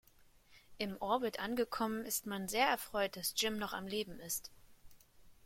Im Orbit angekommen ist man sehr erfreut, dass Jim noch am Leben ist.